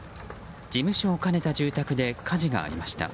事務所を兼ねた住宅で火事がありました。